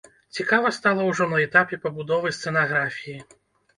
Цікава стала ўжо на этапе пабудовы сцэнаграфіі.